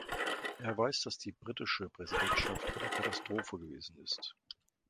Er weiß, dass die britische Präsidentschaft eine Katastrophe gewesen ist.